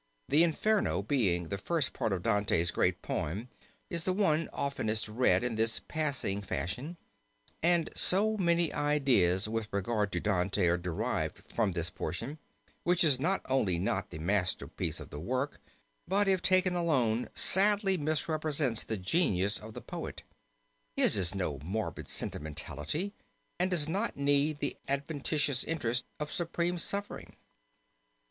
The Inferno being the first part of Dante's great poem is the one oftenest read in this passing fashion and so many ideas with regard to Dante are derived from this portion, which is not only not the masterpiece of the work but, if taken alone, sadly misrepresents the genius of the poet. His is no morbid sentimentality and does not need the adventitious interest of supreme suffering.